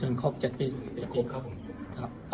ประมาณเกือบเจ็ดปีครับติดจนครบเจ็ดปีครับครับ